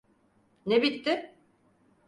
Ne bitti?